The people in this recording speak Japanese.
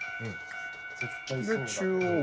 で中央が。